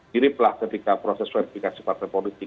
miriplah ketika proses verifikasi partai politik